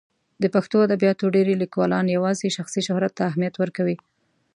د پښتو ادبیاتو ډېری لیکوالان یوازې شخصي شهرت ته اهمیت ورکوي.